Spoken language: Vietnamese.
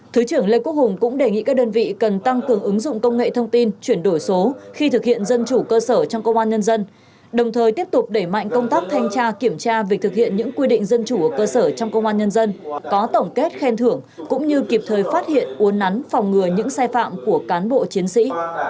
thứ trưởng lê quốc hùng cũng đề nghị các đơn vị cần tăng cường ứng dụng công nghệ thông tin chuyển đổi số khi thực hiện dân chủ cơ sở trong công an nhân dân đồng thời tiếp tục đẩy mạnh công tác thanh tra kiểm tra việc thực hiện những quy định dân chủ ở cơ sở trong công an nhân dân có tổng kết khen thưởng cũng như kịp thời phát hiện uốn nắn phòng ngừa những sai phạm của cán bộ chiến sĩ